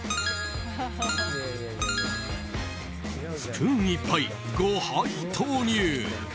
スプーンいっぱい、５杯投入。